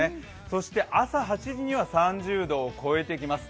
そして朝８時には３０度を超えてきます。